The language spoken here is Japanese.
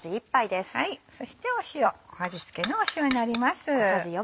そして塩味付けの塩になります。